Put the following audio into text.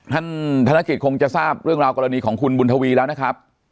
ธนกิจคงจะทราบเรื่องราวกรณีของคุณบุญทวีแล้วนะครับ